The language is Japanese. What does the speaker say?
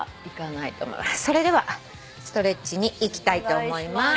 それではストレッチにいきたいと思います。